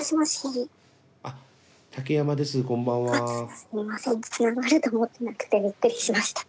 つながると思ってなくてびっくりしました。